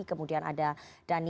kemudian ada dhani amrul ih dan lainnya